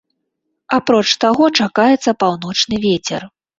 Апроч таго чакаецца паўночны вецер.